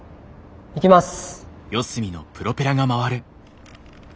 いきます。